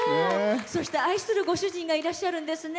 そして愛するご主人がいらっしゃるんですね。